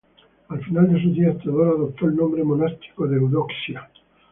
Al final de sus días Teodora adoptó el nombre monástico de Eudoxia.